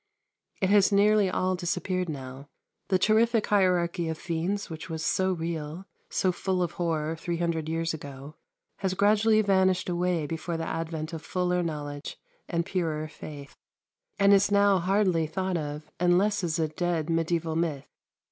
It has nearly all disappeared now. The terrific hierarchy of fiends, which was so real, so full of horror three hundred years ago, has gradually vanished away before the advent of fuller knowledge and purer faith, and is now hardly thought of, unless as a dead mediaeval myth.